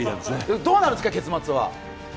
どうなるんですか、結末は？